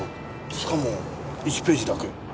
しかも１ページだけ。